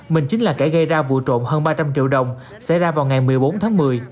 mình chính là kẻ gây ra vụ trộm hơn ba trăm linh triệu đồng xảy ra vào ngày một mươi bốn tháng một mươi